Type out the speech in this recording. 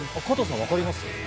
加藤さん、分かります？